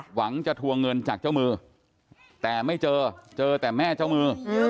หวังจะทวงเงินจากเจ้ามือแต่ไม่เจอเจอแต่แม่เจ้ามือ